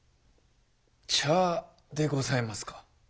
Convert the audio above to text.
茶でございますか？